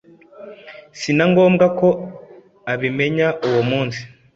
si na ngombwa ko abimenya uwo munsi